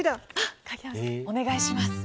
お願いします。